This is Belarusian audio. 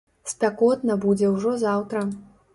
Спякотна будзе ўжо заўтра.